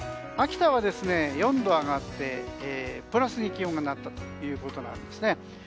秋田は４度上がってプラスに気温がなったということですね。